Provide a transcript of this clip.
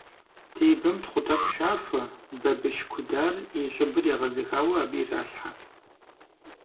Тебэм тхъу тӀэкӀу щахуэ, бабыщ кудар, и щӀыбыр егъэзыхауэ, абы иралъхьэ.